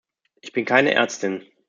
Ich bin keine Ärztin.